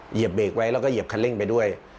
เหยียบเบรกไว้แล้วก็เหยียบคันเร่งไปด้วย